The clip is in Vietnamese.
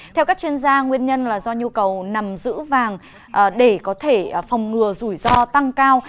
theo các chuyên gia nguyên nhân là do nhu cầu nằm giữ vàng để có thể phòng ngừa rủi ro tăng cao